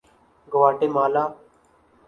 گواٹے مالا